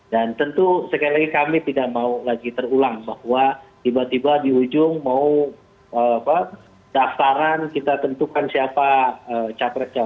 dan tentu sekali lagi kami tidak mau lagi terulang bahwa tiba tiba di ujung mau daftaran kita tentukan siapa cawapres